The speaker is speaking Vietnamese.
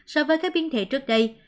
so với các biến thể trước đây